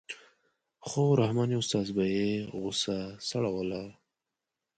خو رحماني استاد به یې غوسه سړوله.